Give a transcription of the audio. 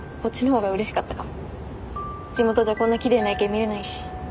地元じゃこんな奇麗な夜景見れないし。